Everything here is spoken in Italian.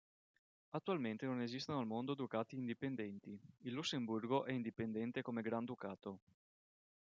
Attualmente non esistono al mondo ducati indipendenti; il Lussemburgo è indipendente come Granducato.